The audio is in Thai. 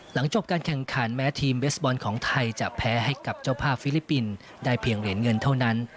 หลังจบการแข่งขันแม้ทีมเบสบอลของไทยจะแพ้ให้กับเจ้าภาพฟิลิปปินส์ได้เพียงเหรียญเงินเท่านั้น